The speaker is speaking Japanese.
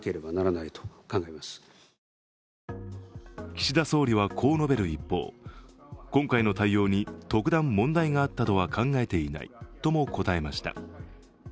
岸田総理はこう述べる一方、今回の対応に特段問題があったとは考えていないとも答えました。